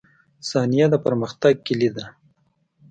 • ثانیه د پرمختګ کلید ده.